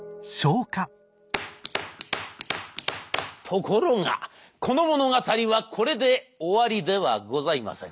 ところがこの物語はこれで終わりではございません。